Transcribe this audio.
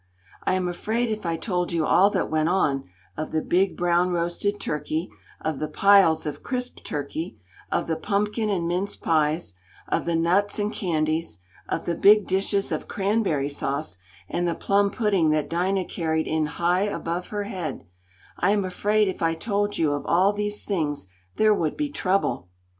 I am afraid if I told you all that went on, of the big, brownroasted turkey, of the piles of crisp turkey, of the pumpkin and mince pies, of the nuts and candies, of the big dishes of cranberry sauce, and the plum pudding that Dinah carried in high above her head I am afraid if I told you of all these things there would be trouble.